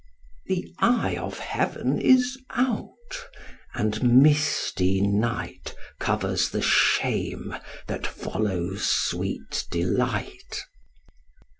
The eye of heaven is out, and misty night Covers the shame that follows sweet delight.'